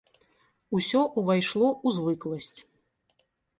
Усё ўвайшло ў звыкласць.